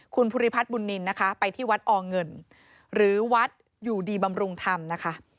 คุณภูริพัฒน์บุญนินนะคะไปที่วัดอเงินหรือวัดอยู่ดีบำรุงธรรมนะคะ